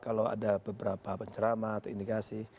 kalau ada beberapa pencerama atau indikasi